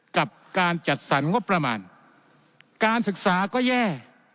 กับการจัดสรรงบประมาณการศึกษาก็แย่